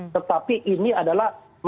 tetapi ini adalah